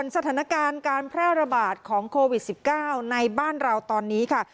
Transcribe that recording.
สถานการณ์การแพร่ระบาดของโควิด๑๙ในบ้านเราตอนนี้ค่ะ